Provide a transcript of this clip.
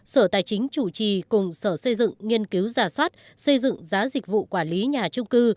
sở tài chính chủ trì cùng sở xây dựng nghiên cứu giả soát xây dựng giá dịch vụ quản lý nhà trung cư